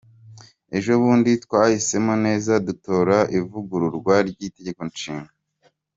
Ejo bundi twahisemo neza dutora ivugururwa ry’Itegeko Nshinga.